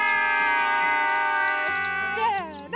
せの！